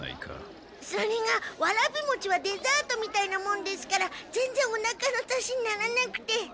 それがわらび餅はデザートみたいなもんですからぜんぜんおなかの足しにならなくて。